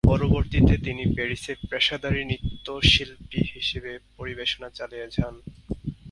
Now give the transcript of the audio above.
পরবর্তীতে তিনি প্যারিসে পেশাদারী নৃত্যশিল্পী হিসেবে পরিবেশনা চালিয়ে যান।